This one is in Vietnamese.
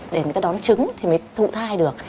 để người ta đón trứng thì mới thụ thai được